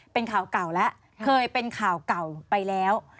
เป็นข่าวเก่าแล้วเคยเป็นข่าวเก่าไปแล้ว